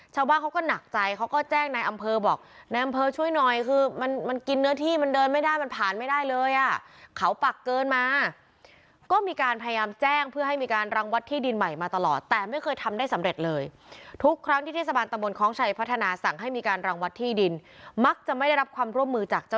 ชาวบ้านเขาก็หนักใจเขาก็แจ้งในอำเภอบอกนายอำเภอช่วยหน่อยคือมันมันกินเนื้อที่มันเดินไม่ได้มันผ่านไม่ได้เลยอ่ะเขาปักเกินมาก็มีการพยายามแจ้งเพื่อให้มีการรังวัดที่ดินใหม่มาตลอดแต่ไม่เคยทำได้สำเร็จเลยทุกครั้งที่เทศบาลตะบนคล้องชัยพัฒนาสั่งให้มีการรังวัดที่ดินมักจะไม่ได้รับความร่วมมือจากเจ้า